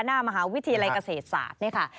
หน้ามหาวิทยาลัยเกษตรศาสตร์เนี่ยค่ะ